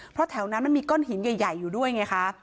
เพราะแถวนั้นมันมีก้อนหินใหญ่อยู่ด้วยไงคะ